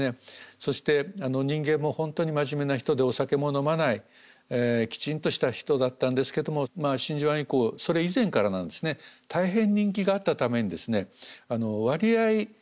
そして人間も本当に真面目な人でお酒も飲まないきちんとした人だったんですけども真珠湾以降それ以前からなんですね大変人気があったために割合